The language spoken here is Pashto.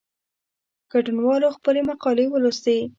ګډونوالو خپلي مقالې ولوستې.